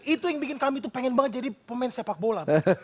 itu yang bikin kami tuh pengen banget jadi pemain sepak bola